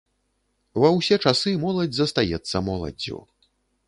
Ва ўсе часы моладзь застаецца моладдзю.